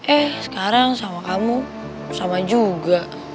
eh sekarang sama kamu sama juga